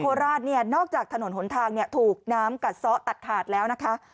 โคราชนอกจากถนนหนทางถูกน้ำกัดซ้อตัดถาดแล้วนะคะ